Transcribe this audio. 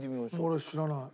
俺知らない。